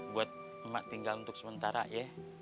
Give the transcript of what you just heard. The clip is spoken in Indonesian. buat emak tinggal untuk sementara ya